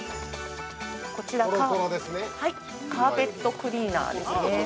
◆はい、カーペットクリーナーですね。